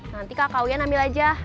nanti kak kalian ambil aja